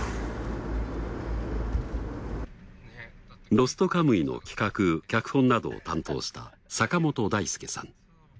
『ロストカムイ』の企画脚本などを担当した坂本大輔さん。